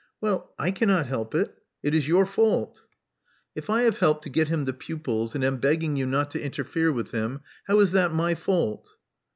Well, I cannot help it. It is your fault." '*If I have helped to get him the pupils, and am begging you not to interfere with him, how is it my fault?"